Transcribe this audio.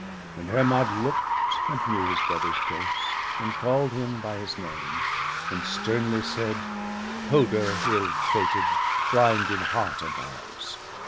And Hermod look'd, and knew his brother's ghost, And call'd him by his name, and sternly said: —' Hoder, ill fated, blind in heart and eyes